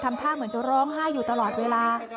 ทำท่าเหมือนจะร้องไห้อยู่ตลอดเวลา